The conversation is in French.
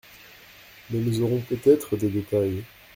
Mais nous aurons peut-être des détails.